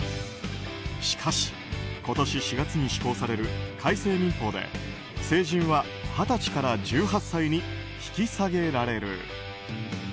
しかし、今年４月に施行される改正民法で成人は二十歳から１８歳に引き下げられる。